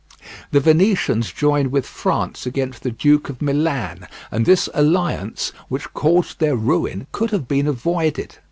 The Venetians joined with France against the Duke of Milan, and this alliance, which caused their ruin, could have been avoided.